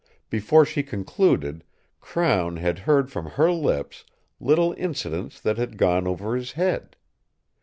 Before she concluded, Crown had heard from her lips little incidents that had gone over his head.